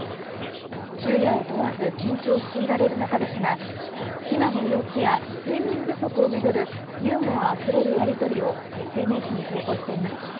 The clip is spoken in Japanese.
昼夜を問わず緊張を強いられる中ですが避難の様子や睡眠不足を巡るユーモアあふれるやりとりをＳＮＳに投稿しています。